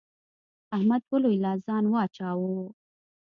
احمد په لوی لاس ځان واچاوو.